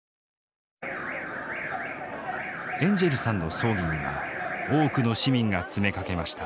エンジェルさんの葬儀には多くの市民が詰めかけました。